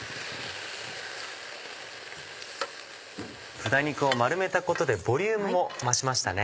豚肉を丸めたことでボリュームも増しましたね。